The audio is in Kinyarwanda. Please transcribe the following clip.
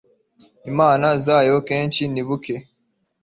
Imana zayo akenshi ni buke